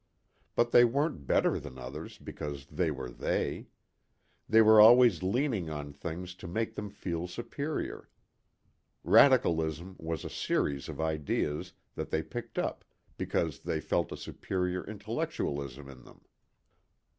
But they weren't better than others because they were they. They were always leaning on things to make them feel superior. Radicalism was a series of ideas that they picked up because they felt a superior intellectualism in them.